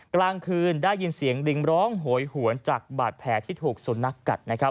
กลางคืนได้ยินเสียงลิงร้องโหยหวนจากบาดแผลที่ถูกสุนัขกัดนะครับ